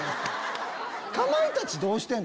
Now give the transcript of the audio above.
かまいたちどうしてる？